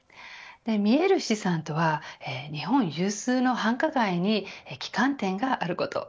見える資産とは日本有数の繁華街に旗艦店があること。